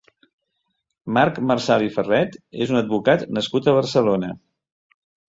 Marc Marsal i Ferret és un advocat nascut a Barcelona.